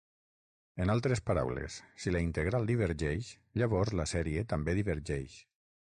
En altres paraules, si la integral divergeix, llavors la sèrie també divergeix.